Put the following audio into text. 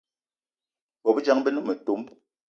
Bôbejang be ne metom